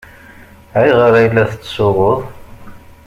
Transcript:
Ayɣer ay la tettsuɣuḍ!